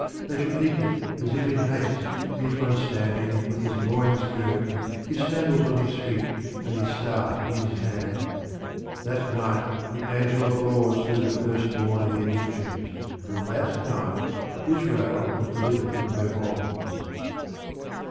They should eat it as if in haste, each one standing with his loins girt, his sandals on his feet, and his staff in his hand. That night the angel of the Lord slew the first born of the Egyptians, and that night Israel was delivered from her bonds.